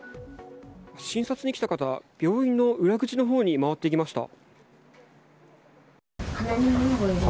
診察に来た方病院の裏口のほうに回っていきました。